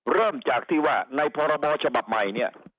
เริ่มจากที่ว่าในพบชมเนี่ย